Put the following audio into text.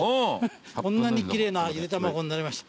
こんなに奇麗なゆで卵になりました。